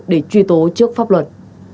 để truy tố trước pháp luật